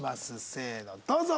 せーのどうぞ！